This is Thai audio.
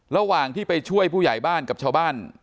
ระหว่างที่ไปช่วยผู้ใหญ่บ้านกับชาวบ้าน